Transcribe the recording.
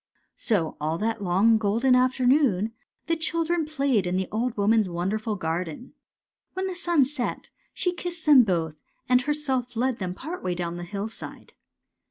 " So all that long golden afternoon the chil dren played in the old woman's wonderful garden. When the sun set she kissed them both and herself led them part way down the hillside.